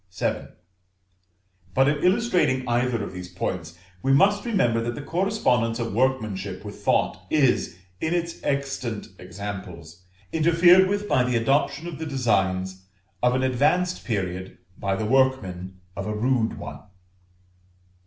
VII. But in illustrating either of these points, we must remember that the correspondence of workmanship with thought is, in existent examples, interfered with by the adoption of the designs of an advanced period by the workmen of a rude one.